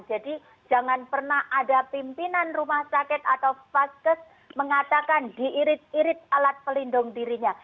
jadi jangan pernah ada pimpinan rumah sakit atau vaskes mengatakan diirit irit alat pelindung dirinya